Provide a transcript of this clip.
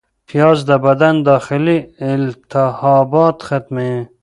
پیاز د بدن داخلي التهابات ختموي